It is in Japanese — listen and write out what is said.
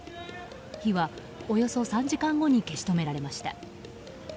火はおよそ３時間後に消し止められました。